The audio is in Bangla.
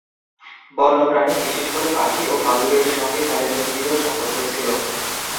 বন্যপ্রাণী, বিশেষ করে পাখি ও বাদুড়ের সঙ্গে তার এক দৃঢ় সম্পর্ক ছিল।